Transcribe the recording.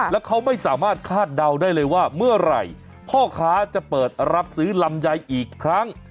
และไม่ได้สามารถคาดเดาได้เลยว่าเมื่อไหร่คนรับซื้อลำไยอีกครั้ง